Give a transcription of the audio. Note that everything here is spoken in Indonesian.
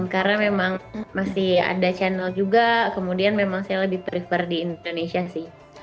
karena memang masih ada channel juga kemudian memang saya lebih prefer di indonesia sih